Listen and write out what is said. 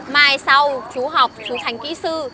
mai sau chú học chú thành kỹ sư